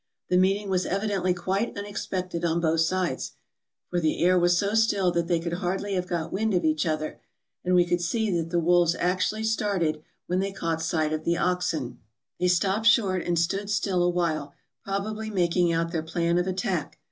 The meeting was evidently quite un expected on both sides, for the air was so still that they could hardly have got wind of each other, and we could see that the wolves actually started when they caught sight of the oxen. 488 TRAVELERS AND EXPLORERS They stopped short, and stood still a while, probably making out their plan of attack.